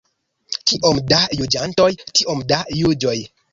Kiom da juĝantoj, tiom da juĝoj.